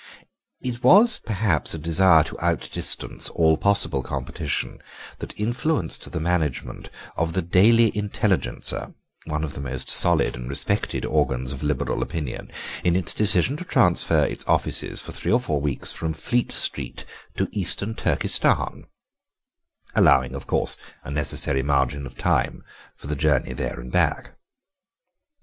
It was, perhaps, a desire to out distance all possible competition that influenced the management of the Daily Intelligencer, one of the most solid and respected organs of Liberal opinion, in its decision to transfer its offices for three or four weeks from Fleet Street to Eastern Turkestan, allowing, of course, a necessary margin of time for the journey there and back.